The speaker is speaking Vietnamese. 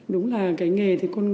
đúng là cái nghề